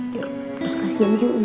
terus kasihan juga